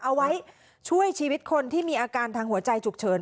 เอาไว้ช่วยชีวิตคนที่มีอาการทางหัวใจฉุกเฉิน